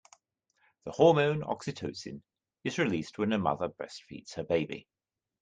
The hormone oxytocin is released when a mother breastfeeds her baby.